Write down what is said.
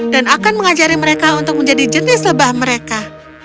dan akan mengajari mereka untuk menjadi jenis lebah mereka